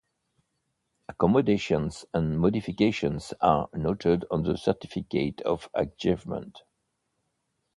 Accommodations and modifications are noted on the certificate of achievement.